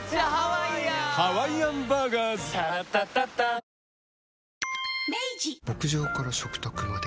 落雷や牧場から食卓まで。